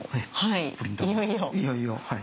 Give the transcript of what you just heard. いよいよ。